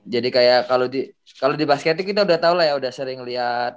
jadi kayak kalau di basket itu kita udah tau lah ya udah sering liat